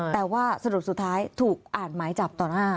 แต่ว่าสรุปสุดท้ายถูกอ่านหมายจับต่อหน้า